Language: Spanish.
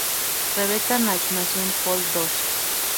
Rebecca Night nació en Poole, Dorset.